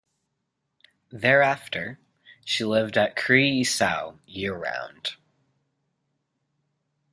Thereafter, she lived at Kreisau year-round.